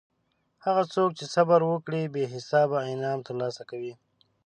هغه څوک چې صبر وکړي بې حسابه انعام ترلاسه کوي.